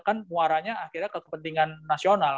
kan muaranya akhirnya ke kepentingan nasional